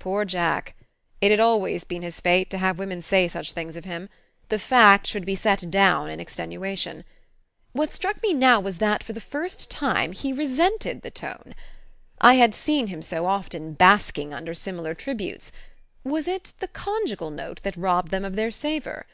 Poor Jack! It had always been his fate to have women say such things of him: the fact should be set down in extenuation. What struck me now was that, for the first time, he resented the tone. I had seen him, so often, basking under similar tributes was it the conjugal note that robbed them of their savour?